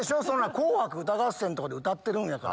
『紅白歌合戦』で歌ってるんやから。